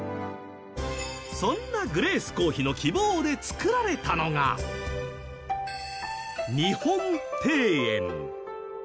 そんなグレース公妃の希望で造られたのが日本庭園。